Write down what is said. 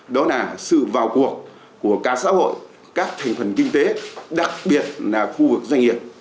đó là sự vào cuộc của cả xã hội các thành phần kinh tế đặc biệt là khu vực doanh nghiệp